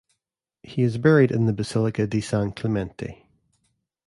He is buried in the Basilica di San Clemente.